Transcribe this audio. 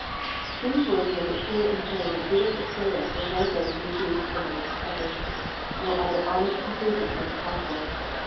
\ These words make it clear and plain that Judas Iscariot was one of those who received the Lord's Supper. No other honest conclusion seems possible.